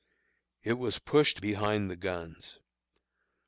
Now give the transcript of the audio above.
It was pushed behind the guns.